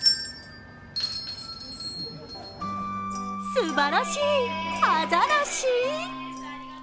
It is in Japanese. すばらしい、アザラシ！